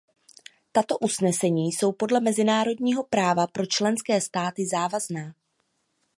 Tato usnesení jsou podle mezinárodního práva pro členské státy závazná.